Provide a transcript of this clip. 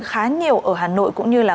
khá nhiều ở hà nội cũng như là